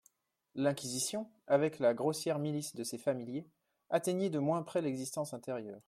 L'inquisition, avec la grossière milice de ses familiers, atteignit de moins près l'existence intérieure.